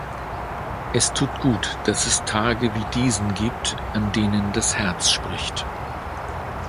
Es tut gut, dass es Tage wie diesen gibt, an denen das Herz spricht.